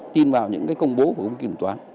tin vào những công bố của công ty kiểm toán